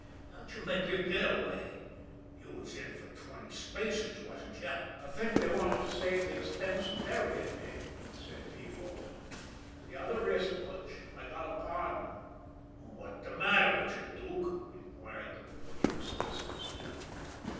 How'd you make yer getaway you was in fer twenty spaces, wasn't you?" "I think they wanted to save the expense of burying me," said P. Walton. "The other wrist, Butch. I got a pardon." "What's de matter with you, Dook?" inquired the Butcher solicitously.